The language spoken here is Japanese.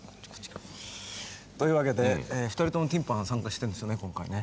というわけで２人ともＴｉｎＰａｎ参加してるんですよね今回ね。